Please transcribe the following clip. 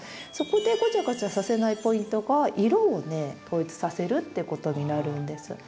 そこでごちゃごちゃさせないポイントが色をね統一させるっていうことになるんです。